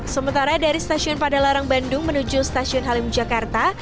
sementara dari stasiun padalarang bandung menuju stasiun halim jakarta